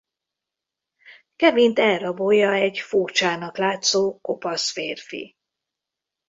Kevint elrabolja egy furcsának látszó kopasz férfi.